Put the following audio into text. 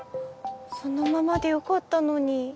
そのままでよかったのに。